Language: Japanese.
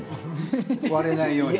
割れないように。